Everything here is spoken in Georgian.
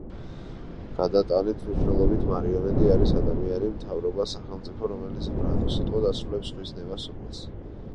გადატანითი მნიშვნელობით მარიონეტი არის ადამიანი, მთავრობა, სახელმწიფო, რომელიც ბრმად, უსიტყვოდ ასრულებს სხვის ნება სურვილს.